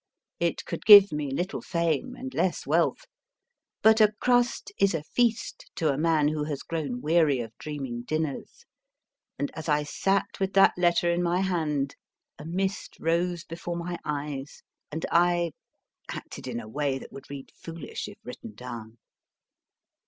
It could give me little fame and less wealth. But a crust is a feast to a man who has grown weary of dreaming dinners, and as I sat with that letter in my hand a mist rose before my eyes, and I acted in a way that would read foolish if written down.